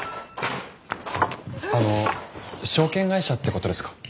あの証券会社ってことですか？